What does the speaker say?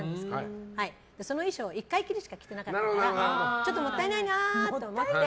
その衣装を１回きりしか着てなかったからもったいないなと思って。